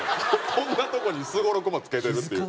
こんなとこにすごろくも付けてるっていう。